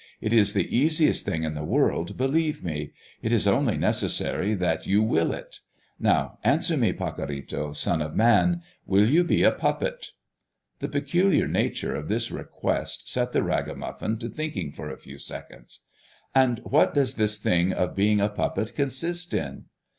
It is the easiest thing in the world, believe me. It is only necessary that you will it. Now, answer me. Pacorrito, son of man, will you be a puppet?" The peculiar nature of this request set the ragamuffin to thinking for a few seconds. "And what does this thing of being a puppet consist in?"